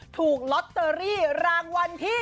ถูกลอตเตอรี่รางวัลที่๑